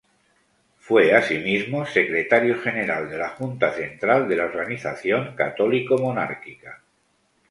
Fue asimismo secretario general de la Junta central de la organización católico-monárquica.